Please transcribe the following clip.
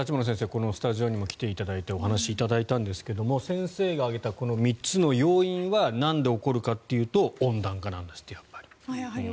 このスタジオにも来ていただいてお話しいただいたんですが先生が挙げたこの３つの要因はなんで起こるかというと温暖化なんですってやっぱり。